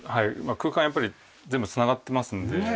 空間はやっぱり全部繋がってますので。